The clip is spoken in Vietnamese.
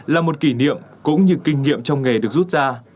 là một kỷ niệm cũng như kinh nghiệm trong nghề được rút ra